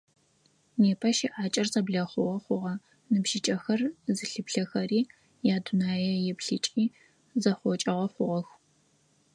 Непэ щыӀакӀэр зэблэхъугъэ хъугъэ, ныбжьыкӀэхэр зылъыплъэхэри, ядунэееплъыкӀи зэхъокӀыгъэ хъугъэх.